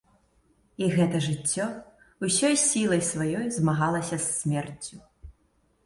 І гэта жыццё ўсёй сілай сваёй змагалася з смерцю.